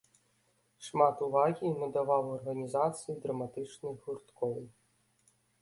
Шмат увагі надаваў арганізацыі драматычных гурткоў.